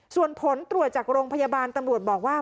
ส่วนผลตรวจจากโรงพยาบาลตำรวจบอกว่า